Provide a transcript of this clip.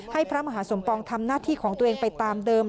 พระมหาสมปองทำหน้าที่ของตัวเองไปตามเดิม